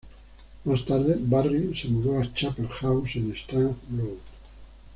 Más tarde, Barry se mudó a Chapel House en Strang Road.